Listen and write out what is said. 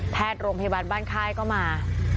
โรงพยาบาลบ้านค่ายก็มา